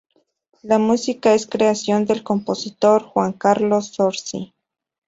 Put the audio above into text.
La música es creación del compositor "Juan Carlos Zorzi".